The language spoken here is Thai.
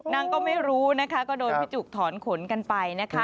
นางก็ไม่รู้ก็โดนพี่จุ๊กถอนขนกันไป